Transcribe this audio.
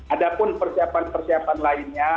ada pun persiapan persiapan lainnya